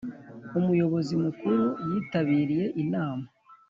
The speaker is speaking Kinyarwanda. Umuyobozi Mukuru yitabiriye inama.